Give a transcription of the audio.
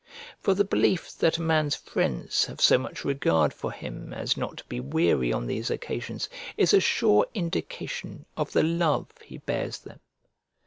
For the belief that a man's friends have so much regard for him as not to be weary on these occasions, is a sure indication of the love he bears them.